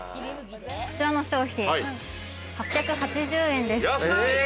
こちらの商品８８０円です。